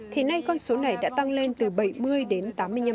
thì nay con số này đã tăng lên từ bảy mươi đến tám mươi năm